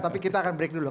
tapi kita akan break dulu